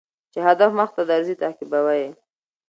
چي هدف مخته درځي تعقيبوه يې